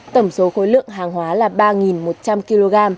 tổng số khối lượng hàng hóa là ba một trăm linh kg